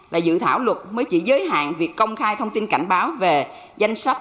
là dự thảo luật mới chỉ giới hạn việc công khai thông tin cảnh báo về danh sách